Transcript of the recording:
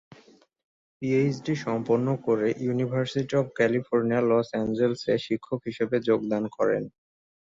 PhD সম্পন্ন করে university of California, Los অ্যাঞ্জেলস-এ শিক্ষক হিসেবে যোগদান করেন।